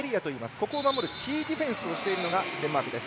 ここを守るキーディフェンスをしているのがデンマークです。